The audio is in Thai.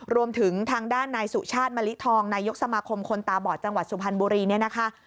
รวมถึงทางด้านนายสุชาติมะลิทองนายกสมาคมคนตาบอดจังหวัดสุพรรณบุรีเนี่ยนะคะ